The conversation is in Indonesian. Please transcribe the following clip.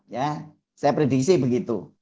ya saya prediksi begitu